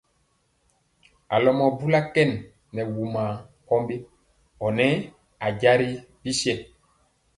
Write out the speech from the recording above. A lomɔ bula kɛn nɛ wumaa mpɔmbi ɔ nɛ a jasi ri bisɛ.